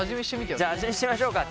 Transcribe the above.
じゃあ味見しちゃいましょうか。